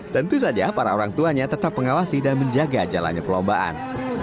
tentu saja para orang tuanya tetap mengawasi dan menjaga jalannya perlombaan